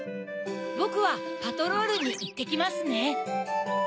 ぼくはパトロールにいってきますね。